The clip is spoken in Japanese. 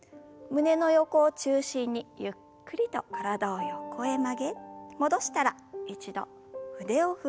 胸の横を中心にゆっくりと体を横へ曲げ戻したら一度腕を振る運動です。